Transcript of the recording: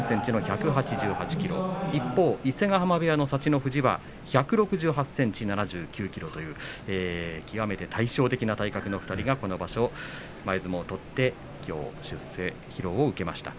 一方、伊勢ヶ濱部屋の幸乃富士が１６８ｃｍ７９ｋｇという極めて対照的な体格の２人がこの場所前相撲を取って土俵を出世披露を受けました。